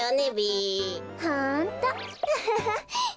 アハハ！